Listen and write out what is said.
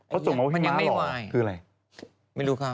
เขาส่งมาว่าพี่ม้าหล่อคืออะไรไม่รู้ครับ